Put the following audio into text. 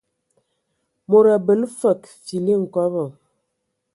Mod abələ fəg fili nkɔbɔ.